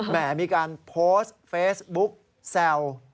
แหม่มีการโพสต์เฟสบุ๊คแซว